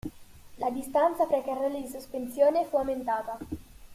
La distanza fra i carrelli di sospensione fu aumentata.